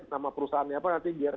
nama perusahaannya apa nanti